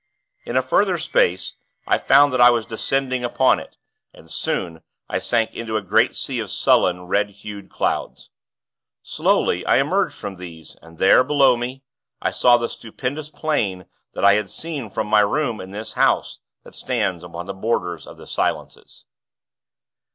In a further space, I found that I was descending upon it; and, soon, I sank into a great sea of sullen, red hued clouds. Slowly, I emerged from these, and there, below me, I saw the stupendous plain that I had seen from my room in this house that stands upon the borders of the Silences.